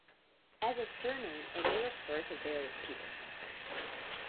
As a surname it may refer to various people.